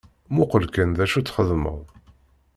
Muqel kan d acu txeddmeḍ.